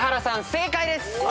正解です。